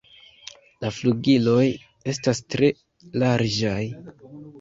La flugiloj estas tre larĝaj.